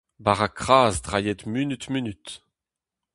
Bara kras drailhet munut-munut.